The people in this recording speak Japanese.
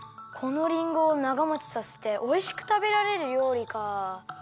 このりんごをながもちさせておいしくたべられるりょうりかあ。